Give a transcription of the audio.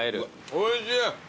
おいしい！